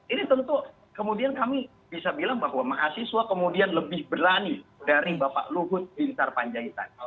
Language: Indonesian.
ini tentu kemudian kami bisa bilang bahwa mahasiswa kemudian lebih berani dari bapak luhut bin sarpanjaitan